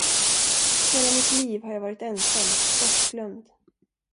Hela mitt liv har jag varit ensam, bortgömd.